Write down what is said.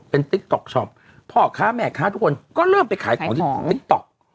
ติ๊กต๊อกช็อปพ่อค้าแม่ค้าทุกคนก็เริ่มไปขายของที่ติ๊กต๊อก